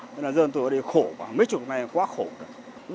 nên là dân tôi ở đây khổ mấy chục ngày quá khổ rồi